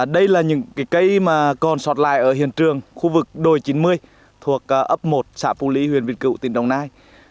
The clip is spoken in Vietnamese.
đây là những cây mà còn sọt lại ở hiện trường khu vực đồi chín mươi thuộc ấp một xã phú lý huyện việt cựu tỉnh đồng nai